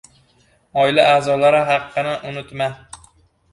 — Oila a’zolari haqqini unutma.